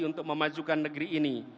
untuk memajukan negeri ini